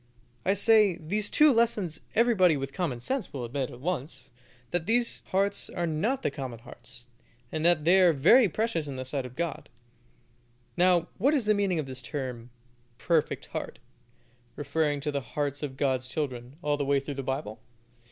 I say, these two lessons everybody with common sense will admit at once that these hearts are not the common hearts, and that they are very precious in the sight of God. Now, what is the meaning of this term "perfect heart," referring to the hearts of God's children, all the way through the Bible?